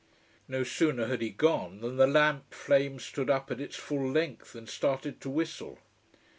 No sooner had he gone than the lamp flame stood up at its full length, and started to whistle.